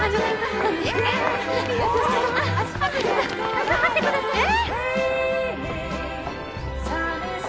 頑張ってください！え！？